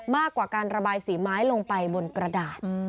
มากกว่าการระบายสีไม้ลงไปบนกระดาษ